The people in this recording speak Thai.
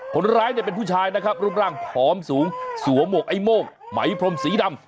คนร้ายเนี่ยเป็นผู้ชายนะครับรูปร่างผอมสูงสวมหมวกไอ้โม่งไหมพรมสีดำ